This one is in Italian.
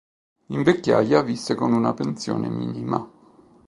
In vecchiaia visse con una pensione minima.